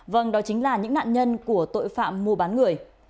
vâng đó chính là những nạn nhân của tội phạm mua bán người